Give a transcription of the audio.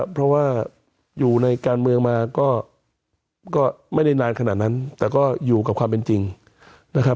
เพราะว่าอยู่ในการเมืองมาก็ไม่ได้นานขนาดนั้นแต่ก็อยู่กับความเป็นจริงนะครับ